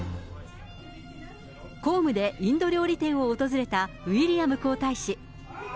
公務でインド料理店を訪れたウィリアム皇太子。